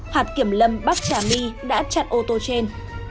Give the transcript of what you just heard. hạt kiểm lâm bắc trà my đã chặn ô tô trên